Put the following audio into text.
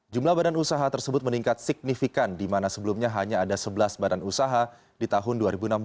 jumlah badan usaha tersebut meningkat signifikan di mana sebelumnya hanya ada sebelas badan usaha di tahun dua ribu enam belas